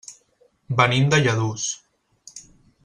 Venim de Lladurs.